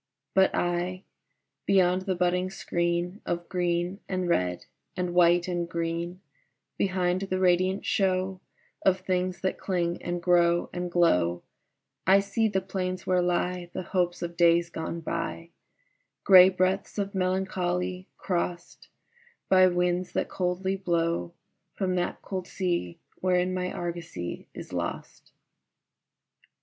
But I beyond the budding screen Of green and red and white and green, Behind the radiant show Of things that cling and grow and glow I see the plains where lie The hopes of days gone by: Gray breadths of melancholy, crossed By winds that coldly blow From that cold sea wherein my argosy is lost.